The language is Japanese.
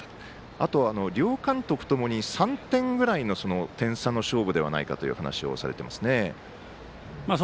あと、両監督ともに３点ぐらいの点差の勝負ではないかということですね。